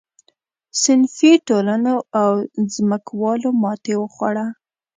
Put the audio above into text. صنفي ټولنو او ځمکوالو ماتې وخوړه.